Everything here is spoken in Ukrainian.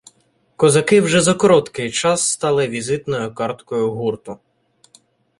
Козаки вже за короткий час стали візитною карткою гурту